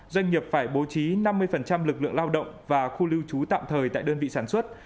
doanh nghiệp phải bố trí năm mươi lực lượng lao động và khu lưu trú tạm thời tại đơn vị sản xuất